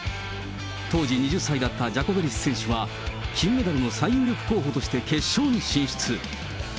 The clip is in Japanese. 当時２０歳だったジャコベリス選手は、金メダルの最有力候補として決勝に進出。